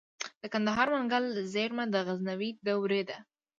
د کندهار منگل زیرمه د غزنوي دورې ده